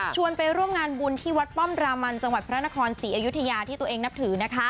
ไปร่วมงานบุญที่วัดป้อมรามันจังหวัดพระนครศรีอยุธยาที่ตัวเองนับถือ